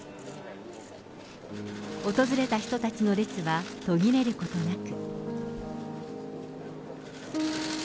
訪れた人たちの列は途切れることなく。